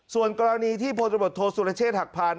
ส่วนกรณีที่โพธิบทศุรเชษฐ์หักพลาน